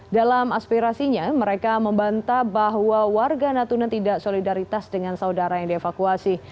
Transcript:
dalam aspirasinya mereka membantah bahwa warga natuna tidak solidaritas dengan saudara yang dievakuasi